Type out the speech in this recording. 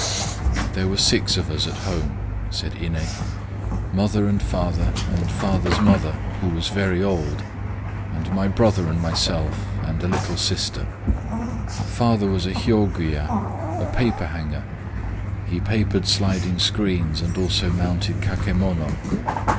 "There were six of us at home," said Iné,—"mother and father and father's mother, who p. 125 was very old, and my brother and myself, and a little sister. Father was a hyôguya, a paper hanger: he papered sliding screens and also mounted kakemono.